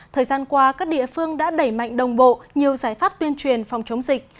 thời gian qua các địa phương đã đẩy mạnh đồng bộ nhiều giải pháp tuyên truyền phòng chống dịch